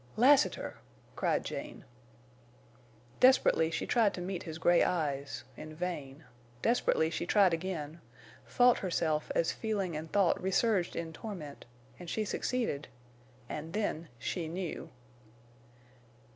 "Lassiter!" cried Jane. Desperately she tried to meet his gray eyes, in vain, desperately she tried again, fought herself as feeling and thought resurged in torment, and she succeeded, and then she knew.